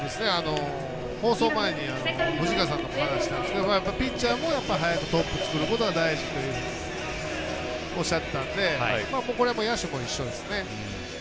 放送前に藤川さんと話したんですけど、ピッチャーも早く作ることが大事だとおっしゃっていたのでこれは野手も一緒ですね。